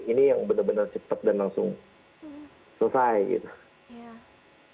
ini yang benar benar cepet dan langsung selesai gitu